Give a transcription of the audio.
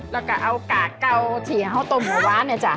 แล้วก็เอากากเก้าเฉียงเข้าต้มไงวะเนี่ยจ้ะ